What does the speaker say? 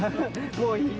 もういい？